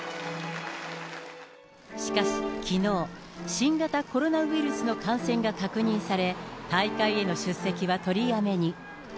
しかしきのう、新型コロナウイルスの感染が確認され、大会への出席は取りやめに。